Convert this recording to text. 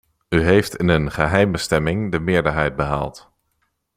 U heeft in een geheime stemming de meerderheid behaald.